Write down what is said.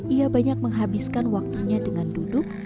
ia banyak menghabiskan waktunya dengan duduk